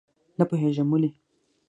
نه پوهېږم ولې.